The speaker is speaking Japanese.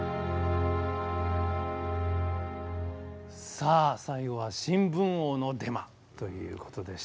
さあ最後は「新聞王のデマ」ということでしたけどもね。